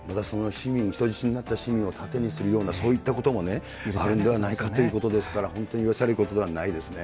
人質になった市民を盾にするような、そういったこともあるんではないかということですので、許されることではないですね。